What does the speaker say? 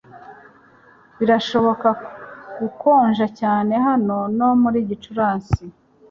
Birashobora gukonja cyane hano no muri Gicurasi